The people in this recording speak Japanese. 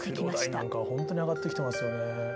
クロダイなんかは本当に上がってきてますよね。